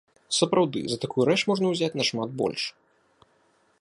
Сапраўды, за такую рэч можна ўзяць нашмат больш.